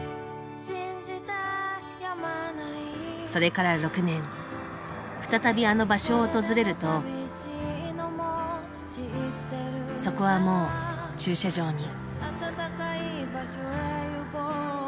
それから６年再びあの場所を訪れるとそこはもう駐車場に。